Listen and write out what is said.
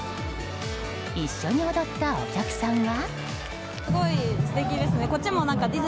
一緒に踊ったお客さんは。